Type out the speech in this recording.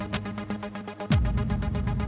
sampai ketemu laire kemudian